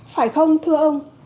phải không thưa ông